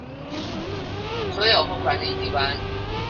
所有或管理機關